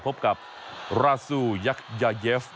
พบกับราซูยักษ์ยาเยฟ